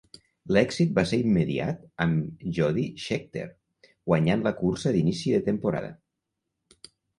L'èxit va ser immediat amb Jody Scheckter guanyant la cursa d'inici de temporada.